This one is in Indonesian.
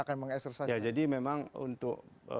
akan mengaksesasikan ya jadi memang untuk